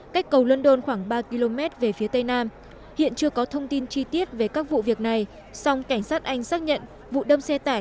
cách cầu london khoảng ba km về phía tây nam hiện chưa có thông tin chi tiết về các vụ việc này song cảnh sát anh xác nhận vụ đâm xe tải